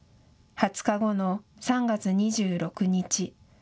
２０日後の３月２６日。